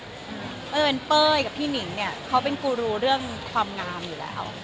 เพราะเป็นเป้ยกับพี่หนิงเนี่ยเขาเป็นกูรูเรื่องความงามอยู่แล้ว